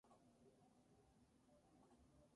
Su nombre artístico completo varía en cada aparición.